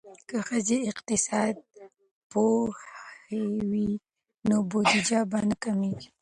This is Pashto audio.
که ښځې اقتصاد پوهې وي نو بودیجه به نه کمیږي.